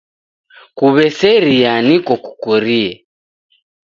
Kuweseria niko kukurie.